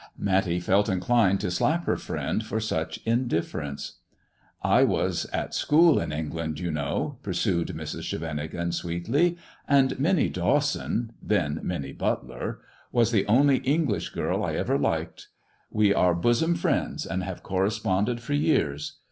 Matty felt inclined to slap her friend for such indifference. 172 MISS JONATHAN '^ I was at school in England, you know," pursued Mrs. Scheveningen, sweetly, " and Minnie Dawson — then Minnie Butler — was the only English girl I ever liked. We are bosom friends, and have corresponded for years.